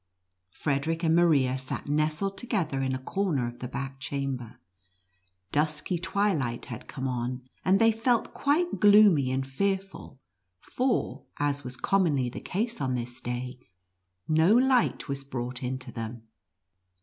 Frederic and Maria sat nestled together in a corner of the back chamber ; dusky twilight had come on, and they felt quite gloomy and fearful, for, as was commonly the case on this day, no light was brought in to them.